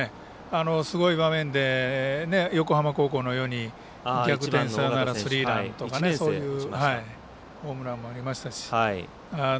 すごい場面で横浜高校のように逆転サヨナラスリーランとかそういうホームランもありましたし。